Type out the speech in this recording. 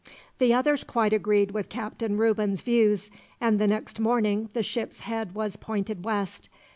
The others quite agreed with Captain Reuben's views, and the next morning the ship's head was pointed west.